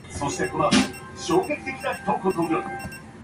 He represented Bannow and County Wexford in the Irish House of Commons.